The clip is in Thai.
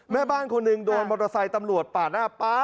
แม่บ้านคนนึงโดนมอเตอร์ไซค์ตำรวจปั่น